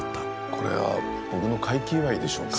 これは僕の快気祝でしょうか？